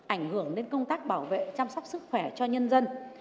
ảnh hưởng đến công tác bảo vệ chăm sóc sức khỏe cho nhân dân